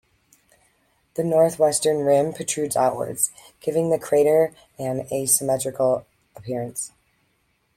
The northwestern rim protrudes outwards, giving the crater an asymmetrical appearance.